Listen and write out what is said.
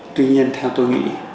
tuy nhiên theo tôi nghĩ